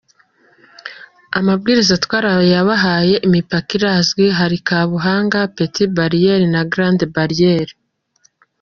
‘’Amabwiriza twarayabahaye, imipaka irazwi hari Kabuhanga, Petite Barrière na Grande Barrière.